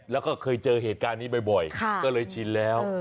แล้วก็เคยเจอเหตุการณ์นี้บ่อยก็เลยชินแล้ว